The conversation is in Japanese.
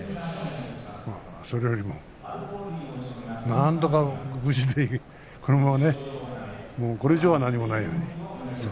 それよりも、なんとか無事でこれ以上、何もないように。